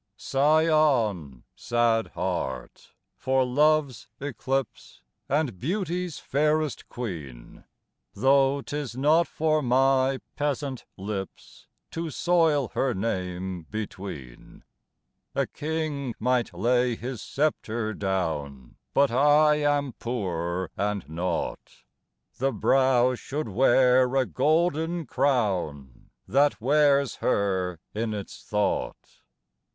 Sigh on, sad heart, for Love's eclipse And Beauty's fairest queen, Though 'tis not for my peasant lips To soil her name between: A king might lay his sceptre down, But I am poor and nought, The brow should wear a golden crown That wears her in its thought.